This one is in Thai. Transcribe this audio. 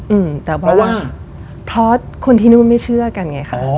อืมแต่เพราะว่าเพราะคนที่นู่นไม่เชื่อกันไงคะ